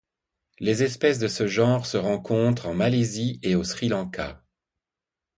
Les espèces de ce genre se rencontrent en Malaisie et au Sri Lanka.